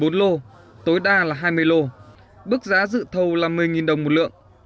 một thành viên được phép đặt thầu là một mươi bốn lô tối đa là hai mươi lô bức giá dự thầu là một mươi đồng một lượng